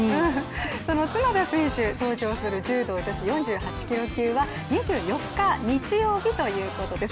その角田選手が登場する柔道女子４８ｋｇ級は２４日日曜日ということです。